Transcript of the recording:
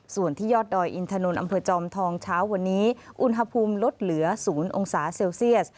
ส่วนที่ยอดดอยอินถนนอำเภอจอมทองเช้าวันนี้อุณหภูมิลดเหลือ๐องศาเซลเซียส